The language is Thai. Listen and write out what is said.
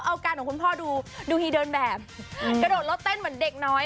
เอาการของคุณพ่อดูดูฮีเดินแบบกระโดดรถเต้นเหมือนเด็กน้อย